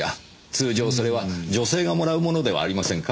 通常それは女性がもらうものではありませんか？